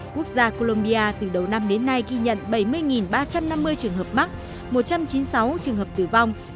quốc gia colombia từ đầu năm đến nay ghi nhận bảy mươi ba trăm năm mươi trường hợp mắc một trăm chín mươi sáu trường hợp tử vong